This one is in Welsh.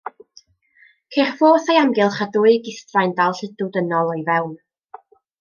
Ceir ffos o'i amgylch a dwy gistfaen dal lludw dynol o'i fewn.